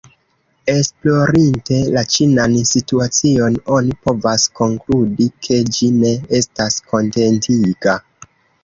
Esplorinte la ĉinan situacion, oni povas konkludi ke ĝi ne estas kontentiga.